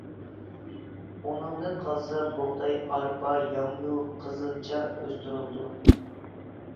ئۇنىڭدىن قالسا بۇغداي، ئارپا، ياڭيۇ، قىزىلچا ئۆستۈرۈلىدۇ.